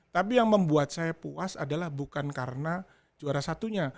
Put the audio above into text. tapi yang membuat saya puas adalah bukan karena juara satunya